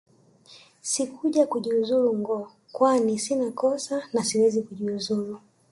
Sikuja kujiuzulu ngo kwani sina kosa na siwezi kujiuzulu